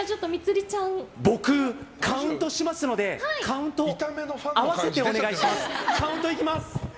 僕カウントしますのでカウントに合わせてお願いします。